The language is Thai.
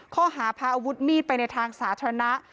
ข้อหาพาอาวุธมีดไปในทางสาธารณะ